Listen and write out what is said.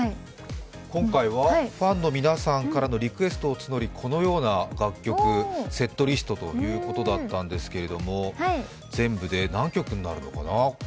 今回はファンの皆さんからのリクエストを募りこのような楽曲、セットリストということだったんですけども全部で何曲になるのかな？